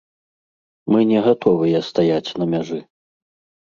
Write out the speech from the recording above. Мы не гатовыя стаяць на мяжы.